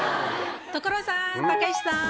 所さんたけしさん。